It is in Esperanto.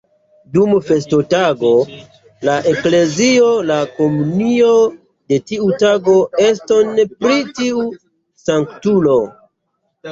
Dum festotago, en la eklezio la komunio de tiu tago eston pri tiu sanktulo.